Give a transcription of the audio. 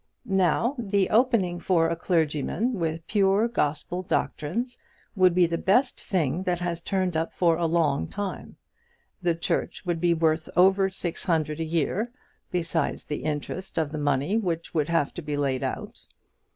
Now the opening for a clergyman with pure Gospel doctrines would be the best thing that has turned up for a long time. The church would be worth over six hundred a year, besides the interest of the money which would have to be laid out.